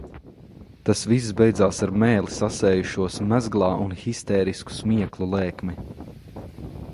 Tas viss beidzās ar mēli sasējušos mezglā un histērisku smieklu lēkmi.